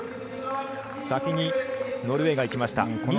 先にノルウェーがいきました。